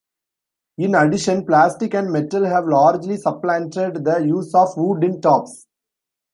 In addition, plastic and metal have largely supplanted the use of wood in tops.